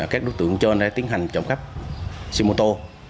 các đối tượng trên đã tiến hành trộm cắp xe mô tô